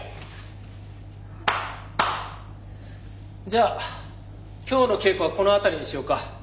じゃあ今日の稽古はこの辺りにしようか。